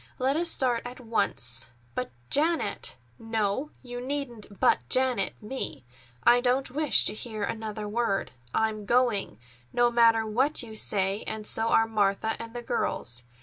Let us start at once." "But, Janet——" "No! You needn't 'But Janet' me. I don't wish to hear another word. I'm going, no matter what you say, and so are Martha and the girls.